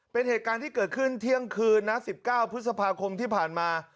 เป็นเหตุการณ์ที่เกิดขึ้นเที่ยงคืนนะ๑๙พฤษภาคมที่ผ่านมา